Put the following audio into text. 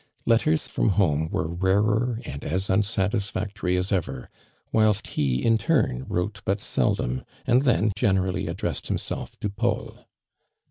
Letters from home were rarer and as unsatisfactory as ever, whilst he in turn wrote but seldom, and then generally addressed himself to taul.